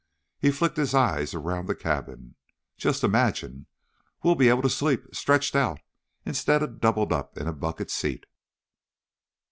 He flicked his eyes around the cabin. "Just imagine, we'll be able to sleep stretched out instead of doubled up in a bucket seat."